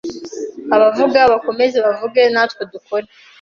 abavuga bakomeze bavuge natwe dukore